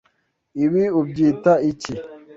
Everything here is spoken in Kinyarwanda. Ibi ubyita iki?